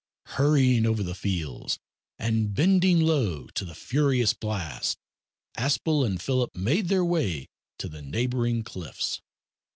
Hurrying over the fields, and bending low to the furious blast, Aspel and Philip made their way to the neighbouring cliffs.